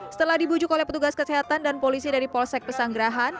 setelah dibujuk oleh petugas kesehatan dan polisi dari polsek pesanggerahan